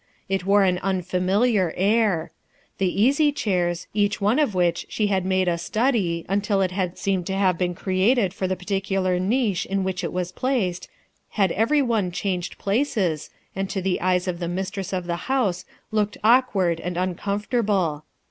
It wore an unfamiliar air. The easy chairs, each one of which the had made a study, until it seemed to have Ivcn created for the particular niche in which it was placed, had every one changed places and to the eyes of the mi dross of the house looked awkward an<l un comfortable.